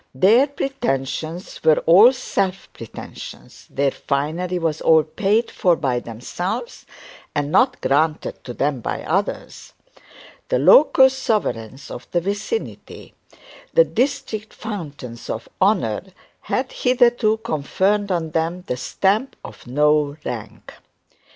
Their pretensions were all self pretensions, their finery was all paid for by themselves and not granted to them by others. The local sovereigns of the vicinity, the district fountains of honour, had hitherto conferred on them the stamp of no rank.